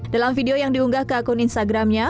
dalam video yang diunggah ke akun instagramnya